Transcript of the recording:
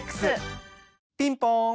ピンポン。